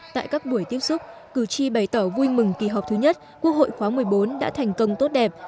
tại các buổi tiếp xúc cử tri bày tỏ vui mừng kỳ họp thứ nhất quốc hội khóa một mươi bốn đã thành công tốt đẹp